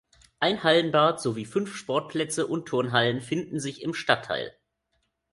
Ein Hallenbad sowie fünf Sportplätze und Turnhallen finden sich im Stadtteil.